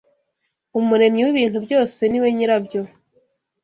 Umuremyi w’ibintu byose ni we nyirabyo